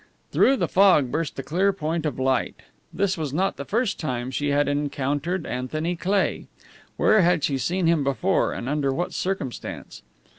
Through the fog burst a clear point of light. This was not the first time she had encountered Anthony Cleigh. Where had she seen him before, and under what circumstance?